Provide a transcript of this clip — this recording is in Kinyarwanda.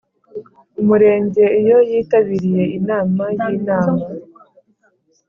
Umurenge iyo yitabiriye inama y Inama